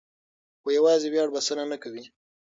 خو یوازې ویاړ بسنه نه کوي.